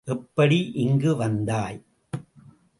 எப்படி இங்கு வந்தாய்?